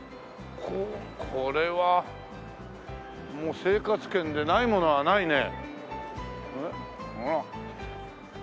これはもう生活圏でないものはないね。